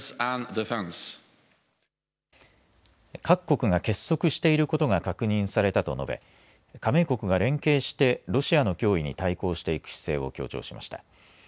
各国が結束していることが確認されたと述べ加盟国が連携してロシアの脅威に対抗していく姿勢を強調しました。